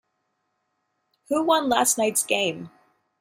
Who won last night's game?